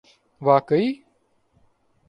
واقعی